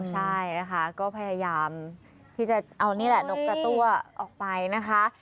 ใช่นะคะก็พยายามที่จะเอานี่แหละนกกระตั้วออกไปนะคะ